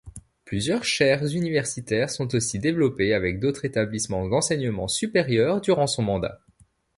Plusieurs chaires universitaires sont aussi développées avec d'autres établissements d'enseignements supérieurs durant son mandat.